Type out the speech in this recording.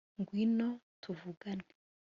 ngwino, tuvugane